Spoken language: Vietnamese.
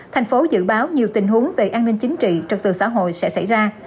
thành phố dự báo nhiều tình huống về an ninh chính trị trật tự xã hội sẽ xảy ra